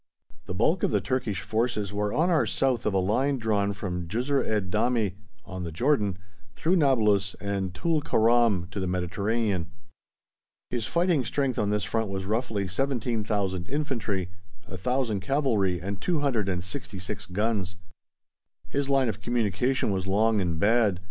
The bulk of the Turkish forces were on or south of a line drawn from Jisr ed Damie, on the Jordan, through Nablus and Tul Keram to the Mediterranean. His fighting strength on this front was, roughly, 17,000 Infantry, 1,000 Cavalry, and 266 guns. His line of communication was long and bad.